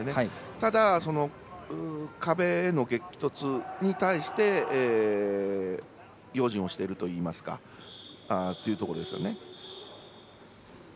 ただ、壁の激突に対して用心をしているといいますかそういうところです。